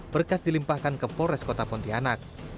berkas dilimpahkan ke polres kota pontianak